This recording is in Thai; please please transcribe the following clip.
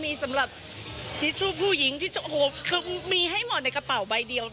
มีสำหรับทิชชูผู้หญิงมีให้หมดในกระเป๋าใบเดียว